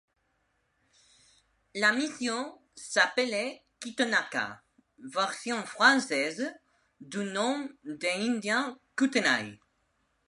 La mission s'appelait Kitonaqa, version française du nom des indiens Kootenai.